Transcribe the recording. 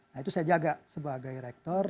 nah itu saya jaga sebagai rektor